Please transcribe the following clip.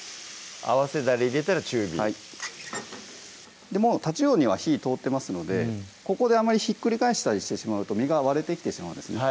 合わせだれ入れたら中火はいたちうおには火ぃ通ってますのでここであまりひっくり返したりしてしまうと身が割れてきてしまうんですね